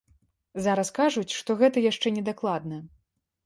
Зараз кажуць, што гэта яшчэ не дакладна.